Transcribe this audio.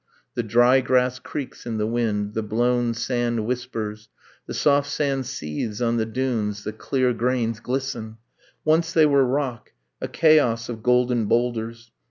The dry grass creaks in the wind, the blown sand whispers, The soft sand seethes on the dunes, the clear grains glisten, Once they were rock ... a chaos of golden boulders